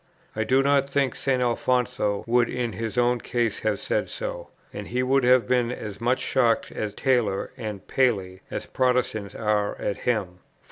I do not think St. Alfonso would in his own case have said so; and he would have been as much shocked at Taylor and Paley, as Protestants are at him.